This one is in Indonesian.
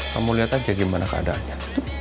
kamu lihat aja gimana keadaannya